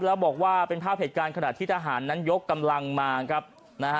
แล้วบอกว่าเป็นภาพเหตุการณ์ขณะที่ทหารนั้นยกกำลังมาครับนะฮะ